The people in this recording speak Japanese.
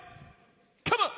カモン！